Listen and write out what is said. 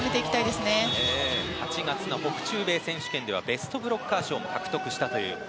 ８月の北中米選手権ではベストブロッカーも獲得したと。